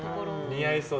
似合いそう。